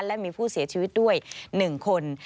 และมีผู้เสียชีวิตด้วย๑คน